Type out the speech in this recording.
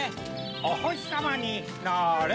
おほしさまになれ。